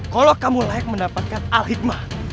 kalau kamu layak mendapatkan al hikmah